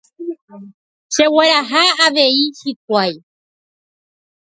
Chegueraha avei hikuái